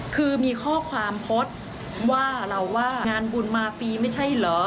คือมีข้อความโพสต์ว่าเราว่างานบุญมาปีไม่ใช่เหรอ